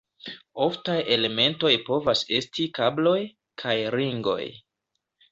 Oftaj elementoj povas esti kabloj, kaj ringoj.